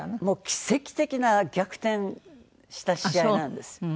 もう奇跡的な逆転した試合なんです。